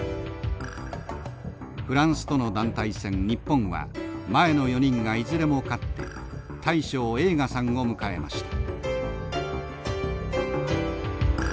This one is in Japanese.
フランスとの団体戦日本は前の４人がいずれも勝って大将栄花さんを迎えました。